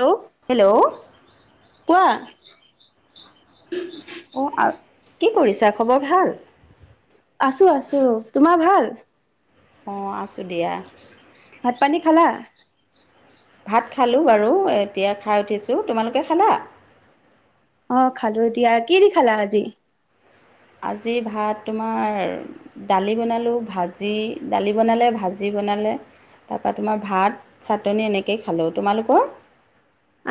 Hello hello উ অ' কি কৰিছা‍ঁ‌‌ খবৰ ভাল। আছোঁ আছোঁ। তোমাৰ ভাল? অ' আছোঁ দিয়া। ভাত পানী খালা? ভাত খালোঁ বাৰু এতিয়া খাই উঠিছোঁ। তোমালোকে খালা? অ' খালোঁ দিয়া। কি দি খালা আজি? আজি ভাত, তোমাৰ দালি বনালোঁ ভাজি দালি বনালে ভাজি বনালে তাৰ পা তোমাৰ ভাত চাটনি এনেকেই খালোঁ। তোমালোকৰ?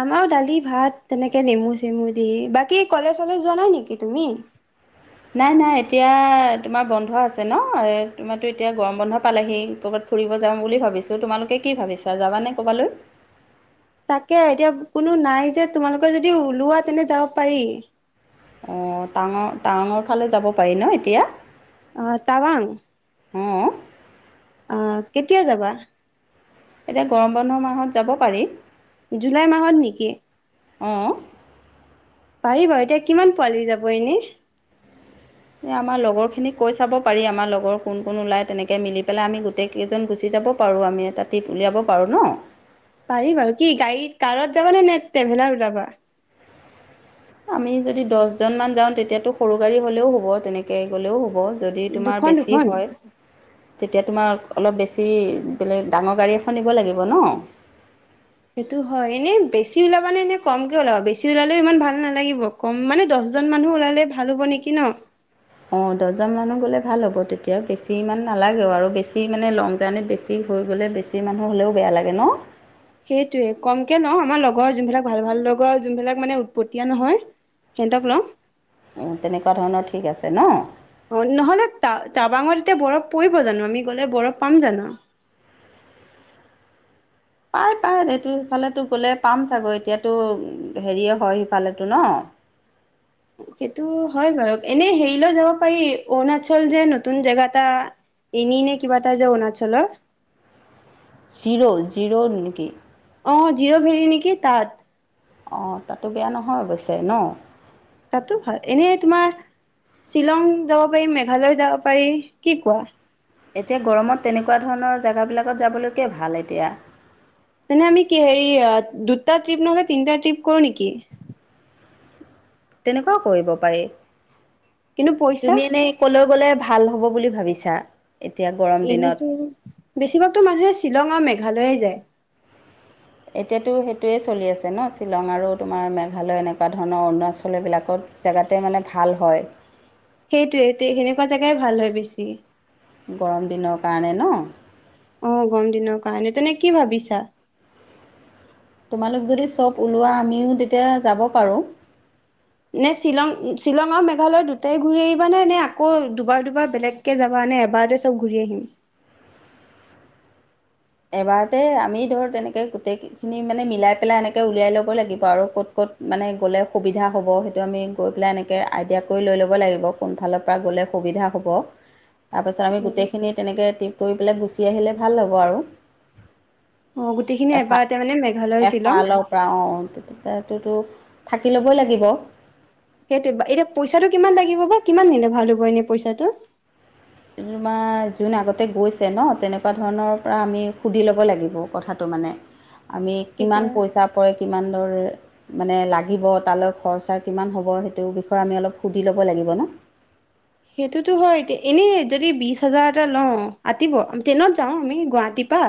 আমাৰো দালি ভাত তেনেকে নেমু চেমু দি। বাকী কলেজ চলেজ যোৱা নাই নেকি তুমি? নাই নাই এতিয়া তোমাৰ বন্ধ আছে ন', তোমাৰ তো এতিয়া গৰম বন্ধ পালেহি কৰবাত ফুৰিব যাওঁ বুলি ভাবিছোঁ। তোমালোকে কি ভাবিছা যাবানে ক'বালৈ? তাকে এতিয়া কোনো নাই যে তোমালোকে যদি ওলোৱা তেন্তে যাব পাৰি। অ' টাঙৰ - টাৱাঙৰ ফালে যাব পাৰি ন এতিয়া? অ' টাৱাং? অ'। আ কেতিয়া যাবা? এতিয়া গৰম বন্ধৰ মাহত যাব পাৰি। জুলাই মাহত নেকি? অ'। পাৰি বাৰু এতিয়া কিমান পোৱালি যাব এনে। এ আমাৰ লগৰখিনিক কৈ চাব পাৰি আমাৰ লগৰ কোন কোন ওলাই তেনেকে মিলি পেলাই আমি গোটেই কেইজন গুচি যাব পাৰোঁ, আমি এটা টিপ উলিয়াব পাৰোঁ ন। পাৰি বাৰু কি গাড়ীত কাৰত যাবা নে, নে ট্ৰেভেলাৰ ওলাবা? আমি যদি দছজন মান যাওঁ তেতিয়াতো সৰু গাড়ী হলেও হ'ব, তেনেকে গ'লেও হ'ব। যদি তোমাৰ দুখন বেছি দুখন হয় তেতিয়া তোমাক অলপ বেছি বেলেগ ডাঙৰ গাড়ী এখন নিব লাগিব ন'। সেইটো হয় এনে বেছি ওলাবানে এনে কমকে ওলাবা বেছি ওলালেও ইমান ভাল নালাগিব কম মানে দছ জন মানুহ ওলালে ভাল হ'ব নেকি ন? অ' দছজন মানুহ গ'লে ভাল হ'ব তেতিয়া বেছি ইমান নালাগেও আৰু বেছি মানে লং জাৰ্ণিত বেছি হৈ গ'লে বেছি মানুহ হ'লেও বেয়া লাগে ন'। সেইটোয়ে কমকে লওঁ আমাৰ লগৰ যোনবিলাক ভাল ভাল লগৰ যোনবিলাক মানে উৎপতীয়া নহয়। সেনতক লওঁ। অঁ তেনেকুৱা ধৰণৰ ঠিক আছে ন অ' নহলে তা - তাবাঙত তে বৰফ পৰিব জানো আমি গ'লে বৰফ পাম জানো? পাই পাই এইটো সিফালে গলে পাম চাগৈ এতিয়াতো হেৰিয়ে হয় সিফালেটো ন। [inaudible] সেইটো হয় বাৰু এনেই হেৰিলৈ যাব পাৰি, অৰুণাচল যে নতুন জেগা এটা এনি নে কিবা এটা যে অৰুণাচলৰ? জিৰ' জিৰ' নেকি? অ' জিৰ' ভেলী নেকি তাত। অ' তাতো বেয়া নহয় অৱশ্যে ন'? তাতো ভাল, এনেই তোমাৰ শ্বিলং যাব পাৰি, মেঘালয় যাব পাৰি কি কোৱা? এতিয়া গৰমত তেনেকুৱা ধৰণৰ জাগাবিলাকত যাবলৈকে ভাল এতিয়া। তেনে আমি কি হেৰি অ দুটা ট্ৰিপ নহলে তিনটা ট্ৰিপ কৰো নেকি? তেনেকুৱাও কৰিব পাৰি। কিন্তু পইচা তুমি এনেই কলৈ গ'লে ভাল হ'ব বুলি ভাবিছা? এতিয়া গৰম দিনত এনেতো বেছিভাগতো মানুহে শ্বিলং আৰু মেঘালয়ে যায়। এতিয়াতো সেইটোৱে চলি আছে ন শ্বিলং আৰু তোমাৰ মেঘালয় এনেকুৱা ধৰণৰ অৰুণাচল এইবিলাকত। জাগাতে মানে ভাল হয়। সেইটোৱে তে - সেনেকুৱা জাগাই ভাল হয় বেছি। গৰম দিনৰ কাৰণে ন? অ' গৰম দিনৰ কাৰণে তেনে কি ভাবিছা? তোমালোক যদি চব ওলোৱা আমিও তেতিয়া যাব পাৰোঁ। নে শ্বিলং - শ্বিলং আৰু মেঘালয় দুটাই ঘূৰি আহিবা নে নে আকৌ দুবাৰ দুবাৰ বেলেগকে যাবা? মানে এবাৰতে চব ঘূৰি আহিম [inaudible] এবাৰতে আমি ধৰ তেনেকে গোটেই খিনি মানে মিলাই পেলাই এনেকে উলিয়াই ল'ব লাগিব আৰু ক'ত ক'ত মানে গ'লে সুবিধা হ'ব সেইটো আমি গৈ পেলাই এনেকে আইডিয়া কৰি লৈ ল'ব লাগিব কোন ফালৰ পৰা গ'লে সুবিধা হ'ব তাৰপাছত আমি গোটেইখিনি তেনেকৈ টিপ কৰি পেলাই গুচি আহিলে ভাল হ'ব আৰু অ গোটেইখিনি এফা এবাৰতে মানে মেঘালয় শ্বিলং এফালৰ পৰা অ তেতিয়া টো থাকি ল'বই লাগিব সেইটো এতিয়া পইচাটো কিমান লাগিব বা কিমান নিলে ভাল হ'ব এনে পইচাটো তোমাৰ যোন আগতে গৈছে ন তেনেকুৱা ধৰণৰ পৰা আমি সুধি ল'ব লাগিব কথাটো মানে আমি কিমান তেতিয়া পইচা পৰে কিমান। মানে লাগিব তালৈ খৰচা কিমান হ'ব সেইটো বিষয়ে আমি অলপ সুধি ল'ব লাগিব ন [inaudible] সেইটোতো হয় এতিয়া এনেই যদি বিশ হাজাৰ এটা লওঁ আতিব ট্ৰেইনত যাওঁ আমি গুৱাহাটী দিপা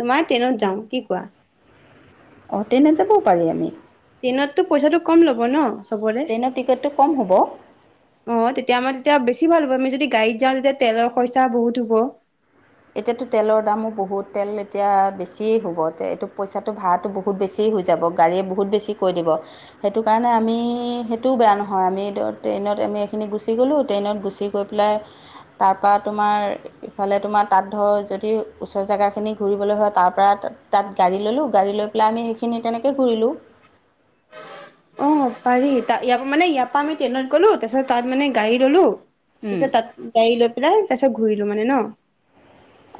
তোমাৰ ট্ৰেইনত যাওঁ কি কোৱা। অহ টেনত যাবও পাৰি আমি টেনতটো পইচাটো কম ল'ব ন ট্ৰেইনৰ টিকেটটো কম হ'ব অ তেতিয়া আমাৰ তেতিয়া বেছি ভাল হ'ব আমি যদি গাড়ীত যাওঁ তেতিয়া তেলৰ পইচা বহুত হ'ব এতিয়াতো তেলৰ দামো বহুত তেল এতিয়া বেছিয়ে হ'ব এইটো পইচাটো ভা়তটো বহুত বেছি বহুত গাড়ী য়ে বহুত বেছি কৈ দিব সেইটো কাৰণে আমি সেইটো বেয়া নহয় আমি ত ট্ৰেইনত আমি এইখিনি গুচি গ'লোঁ ট্ৰেইনত গুচি গৈ পেলাই তাৰপৰা তোমাৰ ইফালে তোমাৰ তাত ধৰক যদি ওচৰ জেগাখিনি ঘূৰিবলৈ হয় তাৰ পৰা তাত তাত গাড়ী ল'লোঁ গাড়ী লৈ পেলাই আমি সেইখিনি তেনেকে ঘূৰিলো অ পাৰি ত ইয় মেয়াৰ পৰা আমি ট্ৰেইনত গ'লো তাৰপিছত তাত মানে গাড়ী ললো তাৰপিছত তাত গাড়ী লৈ পেলাই তাৰপিছত ঘূৰিলো মানে ন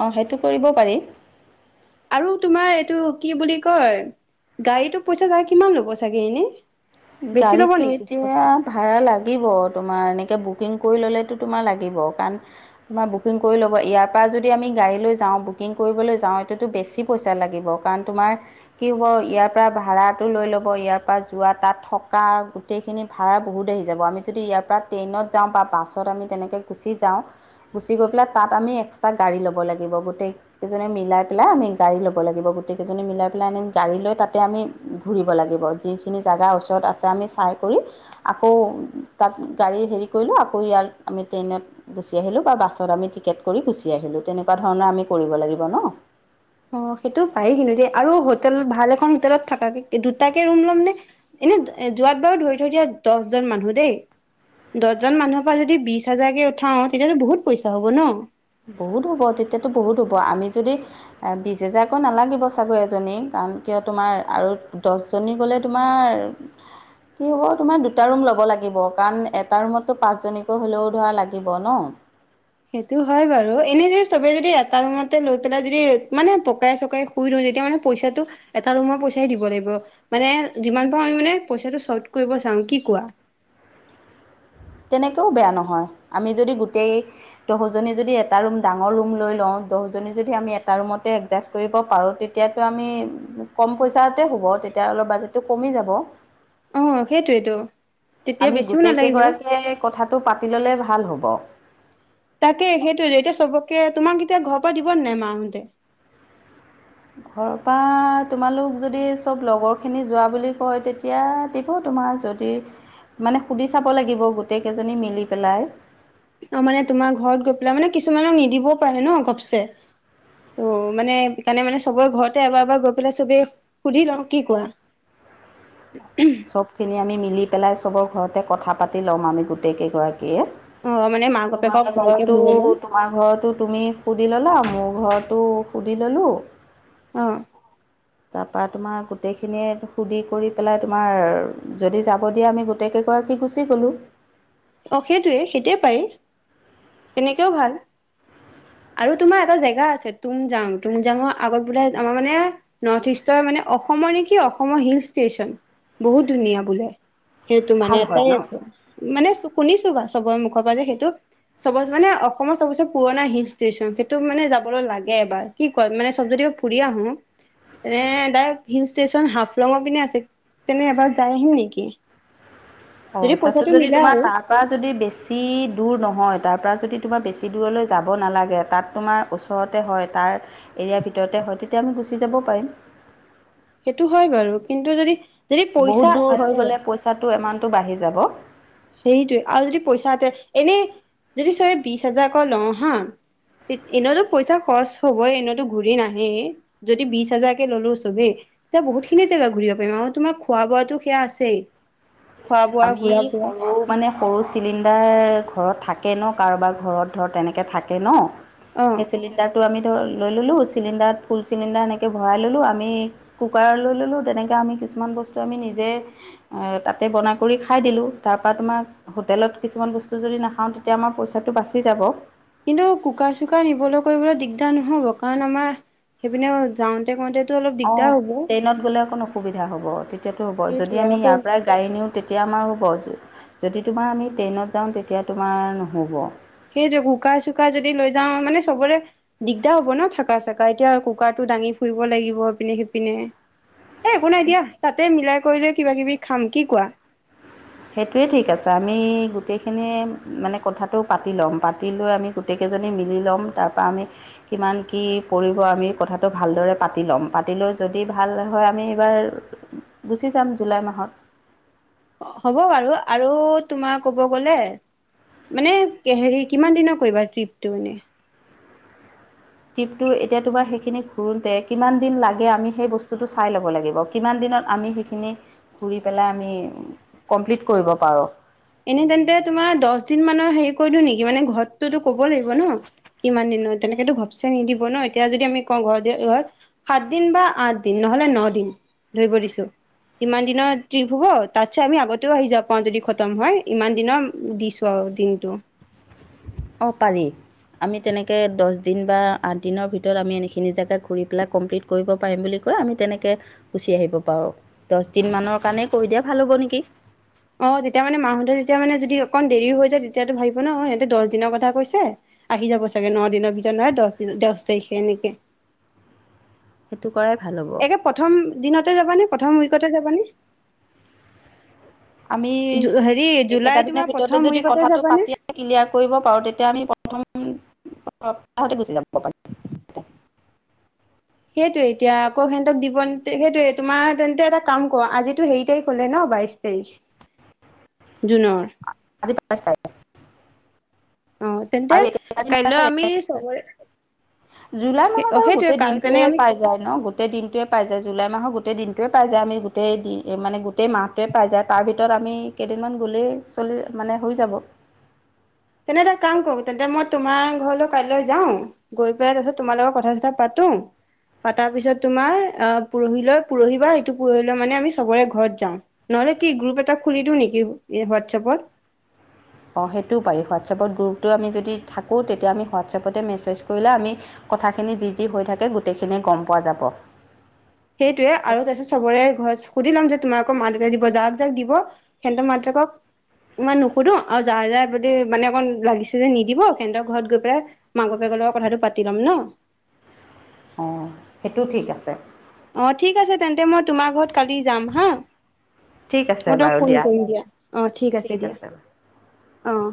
অঁ সেইটো কৰিব পাৰি আৰু তোমাৰ এইটো কি বুলি কয়- গাড়ীতো পইচা যা কিমান ল'ব চাগে এনেই বেছি ল'ব গাড়ীতটো নেকি এতিয়া জোখতকে? ভাড়া লাগিব তোমাৰ এনেকে বহুত বুকিং কৰি ল'লেতো তোমাৰ লাগিব কাৰণ তোমাৰ বুকিং কৰি ল'ব ইয়াৰ পৰা যদি আমি গাড়ী লৈ যাওঁ ব বকিং কৰিব যাওঁ এতিয়াতো বেছি পইচা লাগিব কাৰণ তোমাৰ কি হব ইয়াৰ পৰা ভাড়াৰটো লৈলব। হ'ব ইয়াৰ পৰা যোৱা তাত থকা গোটেইখিনি ভাড়া বহুত আহি যাব আমি যদি ইয়াৰ পৰা ট্ৰেইনত যাওঁ বাছত আমি তেনেকৈ গুচি গুচি যাওঁ গুচি গৈ পেলাই তাত আমি এক্সট্ৰা গাড়ী ল'ব লাগিব গোটেইজনে মিলাই পেলাই আমি গাড়ী ল'ব লাগিব গোটকেইজনী মিলাই পেলাই আমি গাড়ী লৈ তাতে আমি ঘুৰিব লাগিব যিখিনি জাগা চৰত আছে আমি চাই কৰি আকৌ তাত গাড়ীৰ হেৰি কৰিলোঁ আকৌ ইয়াৰ আমি ট্ৰেইনত গুচি আহিলোঁ বা বাছত আমি টিকেট কৰি গুচি আহিলোঁ তেনেকুৱা ধৰণৰ আমি কৰিব লাগিব ন অ সেইটো পায়েই কিন্তু দে আৰু হোটেল ভাল এখন হোটেলত থাকে দুটাকে ৰুম ল'ম নে এনে যোৱাত বাৰু ধৰি থৈ দিয়া দহজন মানুহ দেই দহজন মানুহৰ পৰা যদি বিশ হাজাৰকে উঠাও তেতিয়াহ'লে বহুত পইচা হ'ব ন বহুত হ'ব তেতিয়াতো বহুত হ'ব আমি যদি বিশ হেজাৰকৈ নালাগিব চাগৈ এজনী কাৰণ কিয় তোমাৰ আৰু দহজনী গ'লে তোমাৰ কিহব তোমাৰ দুটা ৰোম লব লাগিব কাৰণ এটা ৰোমত পাঁচ জনী কৈ হ'লেও ধৰা লাগিব। উ সেইটো হয় বাৰু এনে যদি চবে যদি এটা ৰুমতে লৈ পেলাই যদি মানে পকাই চকাই শুই ৰৈ তি মানে পইচাটো এটা ৰুমৰ পইচাই দিব লাগিব মানে যিমান পাৰ আমি মানে পইচাটো চত কৰিব। চাও কি কোৱা। [inaudible] তেনেকেও বেয়া নহয় আমি যদি গোটেই দহজনী যদি এটা ৰুম ডাঙৰ ৰুম লৈ লওঁ দহজনী আমি এটা ৰুমত লৈ লও একজাজ কৰিব পাৰো তেতিয়া টো আমি কম পইচাতে হ'ব এতিয়া অলপ বাজেটটো কমি যাব। আহ সেইটোৱেইটো আমি গোটেই কেইগৰাকীয়ে কথাটো পাতি ললে ভাল হ'ব। তাকে সেইটো এতিয়া চবকে তোমাক এতিয়া ঘৰ পৰা দিব ন নাই মা হতে ঘৰৰ পৰা তোমালোক যদি চব লগৰ খিনি যোৱা বুলি কয় তেতিয়া দিব। তোমাৰ যদি মানে সুধি চাব লাগিব গোটেই কেইজনী মিলি পেলাই। অ মানে তোমাৰ ঘৰত গৈ পেলাই মানে কিছুমানক নিদিবও পাৰে ন গপচে ত' মানে সেইকাৰণে মানে চবৰে ঘৰতে এবাৰ এবাৰ গৈ পেলাই চবে সুধি লওঁ কি কোৱা? [inaudible] চব খিনি আমি মিলি পেলাই চবৰ ঘৰতে কথা পাতি লম আমি গোটেই কেইগৰাকী অ মানে মাক বাপেকক তোমাৰ ভালকে ঘৰতো বুজাই ল'ম তোমাৰ ঘৰতো তুমি সুধি ললা, মোৰ ঘৰটো সুধি ল'লোঁ, অ তাৰপৰা তোমাৰ গোটেইখিনিয়ে সুধি কৰি পেলাই তোমাৰ যদি যাব দিয়া আমি গোটেইকেইগৰাকী গুচি গ'লোঁ। অ সেইটোৱেই সেইটোৱেই পাৰি তেনেকেও ভাল, হয় আৰু তোমাৰ এটা জেগা আছে তুমজাং তুমজাংৰ আগত বোলে আমাৰ মানে নৰ্থ ইষ্টৰ মানে অসম অসমৰেই নেকি অসমৰ হিল ষ্টেচন বহুত ধুনীয়া বোলে, সেইটো ভাল মানে হয় ন? এটাই আছে মানে শুনিছোঁ বা চবৰে মুখৰ পৰা যে সেইটো, চবচে মানে অসমৰ চবচে পুৰণা হিল ষ্টেচন সেইটো মানে যাবলৈ লাগে এবাৰ কি কয় মানে চব যদি ফুৰি আহোঁ তেনে হিল ষ্টেচন হাফলঙৰ পিনে আছে তেনে এবাৰ যাই আহিম নেকি? অ যদি তাতো পইচাটো যদি মিলা তোমাৰ আৰু তাৰ পৰা যদি বেছি দূৰ নহয় তাৰ পৰা যদি তোমাৰ বেছি দূৰলৈ যাব নালাগে তাত তোমাৰ ওচৰতে হয় তাৰ এৰিয়াৰ ভিতৰতে হয় তেতিয়া আমি গুচি যাব পাৰিম সেইটো হয় বাৰু কিন্তু যদি যদি বহুত পইচা দূৰ হৈ আতে গ'লে পইচাটো এমাউণ্টটো বাঢ়ি যাব। সেইটোৱে আৰু যদি পইচা এতিয়া এনেই যদি চবে বিশ হাজাৰকৈ লওঁ হা, এনেওতো পইচা খৰচ হবই এনেতো ঘূৰি নাহে যদি বিশ হাজাৰকে ললো চবে তেতিয়া বহুতখিনি জেগা ঘূৰিব পাৰিম আৰু তোমাৰ খোৱা বোৱাতো সেয়া আছেই, খোৱা বোৱা আমি ঘূৰা ফুৰা সৰু মানে সৰু চিলিণ্ডাৰ ঘৰত থাকে ন কাৰোবাৰ ঘৰত ধৰ তেনেকৈ থাকে ন অ সেই চিলিণ্ডাৰ টো আমি লৈ ললো চিলিণ্ডাৰত ফুল চিলিণ্ডাৰ এনেকে ভৰাই ললো আমি কুকাৰ লৈ ললো তেনেকে আমি কিছুমান বস্তু আমি নিজে তাতে বনাই কৰি খাই দিলোঁ তাৰপৰা তোমাৰ হোটেলত কিছুমান বস্তু যদি নাখাওঁ তেতিয়া আমাৰ পইচাটো বাচি যাব। কিন্তু কোকাৰ চোকাৰ নিবলৈ কৰিবলৈ দিগদাৰ নহব কাৰণ আমাৰ সেইপিনে যাওঁতে কওঁতে অ ট্ৰেইনত গ'লে অকণ অসুবিধা হ'ব তেতিয়াতটো হ'ব যদি সেইটোৱে আমি আকৌ ইয়াৰ পৰাই গাড়ী নিওঁ, তেতিয়া আমাৰ হ'ব যদি তোমাৰ আমি ট্ৰেইনত যাওঁ তেতিয়া তোমাৰ নহ'ব সেইটোৱে কুকাৰ চুকাৰ যদি লৈ যাওঁ মানে চবৰে দিগদাৰ হব ন থকা চকা এতিয়া কুকাৰটো, দাঙি ফুৰিব লাগিব ইপিনে সিপিনে উ এ একো নাই দিয়া তাতে মিলাই কৰিলৈ কিবা কিবি খাম কি কোৱা? সেইটোৱে ঠিক আছে আমি গোটেইখিনি মানে কথাটো পাতি ল'ম পাতি লৈ আমি গোটেই কেই জনী মিলি লম তাৰপৰা আমি কিমান কি পৰিব আমি কথাটো ভালদৰে পাতি লম যদি ভাল হয় এইবাৰ গুচি যাম জুলাই মাহত হ'ব বাৰু আৰু তোমাৰ ক'ব গলে মানে হেৰি কিমান দিনৰ কৰিবা ট্ৰিপটো মানে ট্ৰিপটো এতিয়া তোমাৰ, সেইখিনি ঘূৰোতে কিমান দিন লাগে, আমি সেই বস্তুটো চাই ল'ব লাগিব। কিমান দিন দিনত আমি সেইখিনি ঘূৰি পেলাই আমি কমপ্লিট কৰিব পাৰোঁ! এনেই তেন্তে, তোমাৰ দহদিন মানৰ হেৰি কৰি দিওঁ নেকি? মানে ঘৰতটো ক'ব লাগিব ন! কিমান দিনৰ তেনেকেতো ঘপচে নিদিব ন! এতিয়া যদি আমি কওঁ ঘৰত দি ঘৰত সাতদিন বা আঠদিন নহ'লে নদিন। ধৰিব দিছোঁ। কিমান দিনৰ ট্ৰিপ হ'ব? তাতছে আমি আগতেও আহি যাব পাৰোঁ যদি ম হয় ইমান দিনৰ দিছো আৰু দিনটো। অ' পাৰি। আমি তেনেকৈ দশদিন বা আঠদিনৰ ভিতৰত আমি এইখিনি জেগা ঘূৰি পেলাই কমপ্লিট কৰিব পাৰিম বুলি কৈ আমি তেনেকে গুচি আহিব পাৰো। দশদিন মানৰ কাৰণেই কৰি দিয়া ভাল হ'ব নেকি! অ' তেতিয়া মানে মাহঁতে তেতিয়া মানে যদি অকণ দেৰিও হৈ যায়, তেতিয়াতো ভাবিব ন সিহঁতে দশদিনৰ কথা কৈছে। আহি যাব চাগে নদিনৰ ভিতৰত, নহয় দহ দশ তাৰিখে। এনেকে [inaudible] কৰাই ভাল হ'ব একে প্ৰথম দিনতে যাবানে? প্ৰথম উইকতে যাবা নে? আমি। এইকেইটাদিনৰ ভিতৰতে প্ৰথম যদি উইকতে কথাটো যাবানে পাতি ক্লিয়াৰ কৰিব পাৰো। তেতিয়া আমি প্ৰথম। সপ্তাহতে গুচি যাব পাৰো সেইটোয়ে এতিয়া, আকৌ সিহঁতক দিব, সেইটোয়ে তোমাৰ তেন্তে এটা কাম কৰো। আজিতো হেৰি তাৰিখ হ'লে ন। বাইশ তাৰিখ। [inaudible] জুনৰ। আজি [unintelligible] অ' তেন্তে, আৰু এইকেইটা দিন আছে কাইলৈ আমি এইকেইটা চবৰে। জুলাই মাহৰ অ বাৰু গোটেই সেইটোৱে তেনে দিনটোৱে আমি পাই যায় ন গোটেই দিনটোৱে পাই যায়। জুলাই মাহৰ গো গোটেই দিনটোৱে পাই যায়। আমি গোটেই দিন মানে গোটেই মাহটোৱে পাই যায়। তাৰ ভিতৰত আমি কেইদিনমান গ'লেই চলি এ মানে হৈ যাব। তেনে এটা কাম কৰোঁ তেন্তে মই তোমাৰ ঘৰলৈ কাইলৈ যাওঁ, গৈ পেলাই তাৰ পিছত তোমাৰ লগত কথা-চথা পাতো। তা পিছত তোমাৰ অ পৰহিলৈ, পৰহি বা ইটো পৰহিলৈ মানে আমি চবৰে ঘৰত যাওঁ। ন মানে কি গ্ৰুপ এটা খুলি দিওঁ নেকি হোৱাটছএপত? [inaudible] অ' সেইটোও পাৰি। হোৱাটছএপত গ্ৰুপটো আমি যদি থাকোঁ, তেতিয়া আমি হোৱাটছএপতে মেছেজ কৰিলে আমি। কথাখিনি যি যি হৈ থাকে, গোটেইখিনিয়ে গম পোৱা যাব। সেইটোৱে, আৰু যাতে চবৰে ঘৰত সুধি ল'ম যে। তোমাৰ আকৌ মা-দেউতাই দিব। যাক যাক দিব সিহঁতৰ মাক -দেতাকক। ইমান নুসোধো আৰু যাৰ যাৰ, মানে অকণ লাগিছে যে নিদিব সিহঁতৰ ঘৰত গৈ পেলাই মাক- লগত কথাটো পাতি ল'ম ন? অ' সেইটো ঠিক আছে। অ' ঠিক আছে তেন্তে, মই তোমাৰ ঘৰত কালি যাম হা। ঠিক আছে মই তোমাক বাৰু ফোন কৰিম দিয়া। অ' ঠিক আছে দিয়া। অ'।